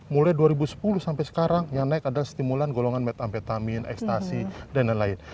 mulai dua ribu sepuluh sampai sekarang yang naik adalah stimulan golongan metamfetamin ekstasi dan lain lain